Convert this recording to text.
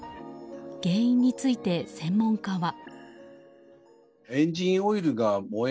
原因について、専門家は。